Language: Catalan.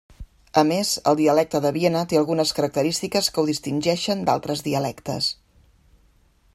A més, el dialecte de Viena té algunes característiques que ho distingeixen d'altres dialectes.